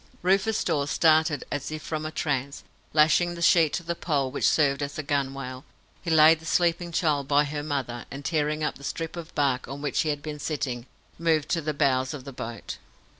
Rufus Dawes started as if from a trance. Lashing the sheet to the pole which served as a gunwale, he laid the sleeping child by her mother, and tearing up the strip of bark on which he had been sitting, moved to the bows of the boat.